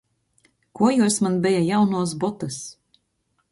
Kuojuos maņ beja jaunuos botys.